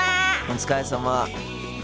お疲れさま。